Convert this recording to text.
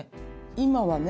今はね